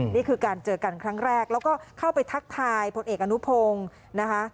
นี่คือการเจอกันครั้งแรกแล้วก็เข้าไปทักทายผลเอกอนุพงศ์นะคะ